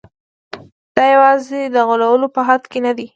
دا یوازې د غولولو په حد کې نه ده.